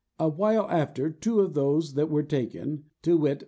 A while after, two of those that were taken, viz.